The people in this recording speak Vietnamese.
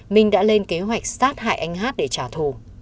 minh đã lên kế hoạch sát hại anh hát để trả thù